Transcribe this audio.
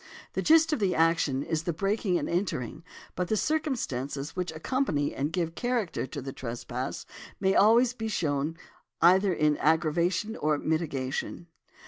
The gist of the action is the breaking and entering, but the circumstances which accompany and give character to the trespass may always be shown either in aggravation or mitigation.